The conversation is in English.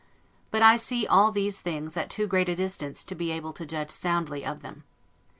But I see all these things at too great a distance to be able to judge soundly of them.